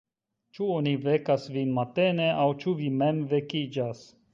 Ĉu oni vekas vin matene, aŭ ĉu vi mem vekiĝas?